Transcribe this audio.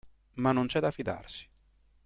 Ma non c'è da fidarsi.